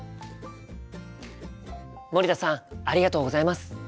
森田さんありがとうございます！